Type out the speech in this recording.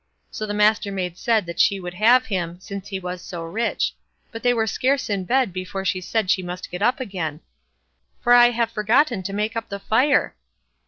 So the Mastermaid said she would have him, since he was so rich; but they were scarce in bed before she said she must get up again: "For I have forgotten to make up the fire."